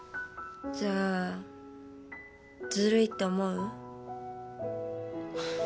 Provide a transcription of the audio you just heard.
じゃあずるいって思う？